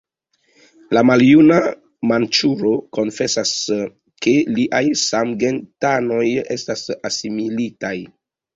La maljuna manĉuro konfesas ke liaj samgentanoj estas asimilitaj.